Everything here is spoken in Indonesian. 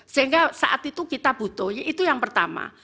sehingga saat itu kita butuh itu yang pertama